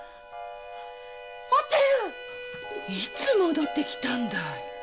いつ戻ってきたんだい？